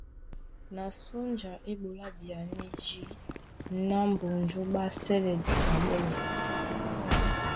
Na sónja é ɓolá byanédí ná Mbonjó ɓá sɛ́lɛ duta ɓɔ́lɔ.